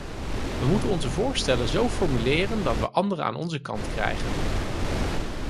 We moeten onze voorstellen zo formuleren dat we anderen aan onze kant krijgen.